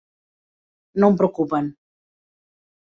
No em preocupen.